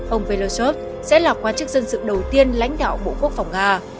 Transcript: ông pelosov sẽ là quan chức dân sự đầu tiên lãnh đạo bộ quốc phòng nga